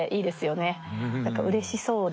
何かうれしそうで。